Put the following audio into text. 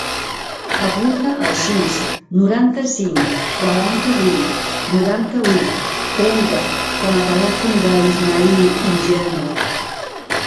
Apunta el sis, noranta-cinc, quaranta-vuit, noranta-u, trenta com a telèfon de l'Ismaïl Ingelmo.